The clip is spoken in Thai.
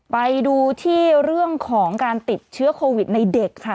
ไปดูที่เรื่องของการติดเชื้อโควิดในเด็กค่ะ